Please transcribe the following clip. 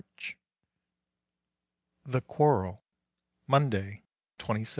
THE QUARREL Monday, 26th.